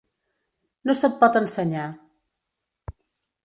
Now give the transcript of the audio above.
No se't pot ensenyar.